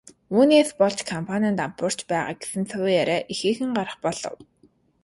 Үүнээс болж компани нь дампуурч байгаа гэсэн цуу яриа ихээхэн гарах болов.